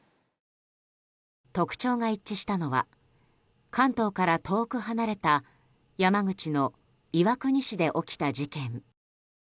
特徴が一致したのは関東から遠く離れた山口の岩国市で起きた事件。